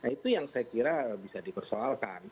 itu yang saya kira bisa dipersoalkan